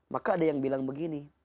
maka ada yang bilang begini